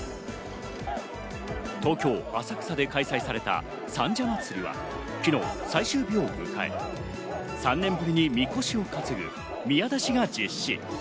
東京・浅草で開催された三社祭は昨日、最終日を迎え３年ぶりにみこしを担ぐ、宮出しが実施。